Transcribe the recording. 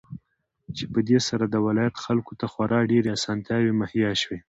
چې په دې سره د ولايت خلكو ته خورا ډېرې اسانتياوې مهيا شوې.